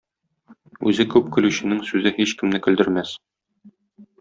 Үзе күп көлүченең сүзе һичкемне көлдермәс.